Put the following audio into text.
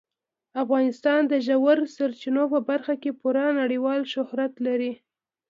افغانستان د ژورو سرچینو په برخه کې پوره نړیوال شهرت لري.